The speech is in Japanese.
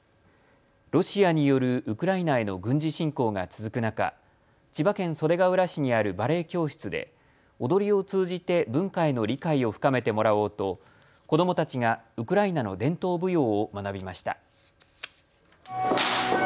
ロシアによるウクライナへの軍事侵攻が続く中、千葉県袖ケ浦市にあるバレエ教室で踊りを通じて文化への理解を深めてもらおうと子どもたちがウクライナの伝統舞踊を学びました。